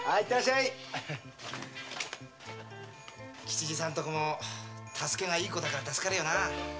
吉次さんも太助がいい子だから助かるよなぁ。